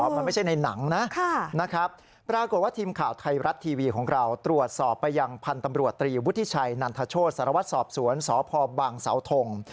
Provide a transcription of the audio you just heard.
มันไม่ใช่ในหนังนะนะครับปรากฏว่าทีมข่าวไทยรัฐทีวีของเราตรวจสอบไปยังพันธุ์ตำรวจตรีวุฒิชัยนันทโชธสารวัตรสอบสวนสพบังเสาทง